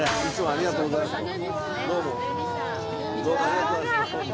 ありがとうございます。